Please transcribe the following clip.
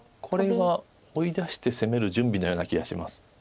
これは追い出して攻める準備のような気がします。